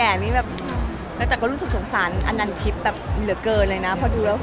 ว่ามีความหวังไปเสร็จเรียบร้อยแล้ว